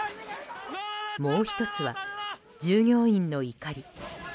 もう１つは、従業員の怒り。